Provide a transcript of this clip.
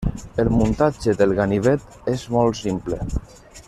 El muntatge del ganivet és molt simple.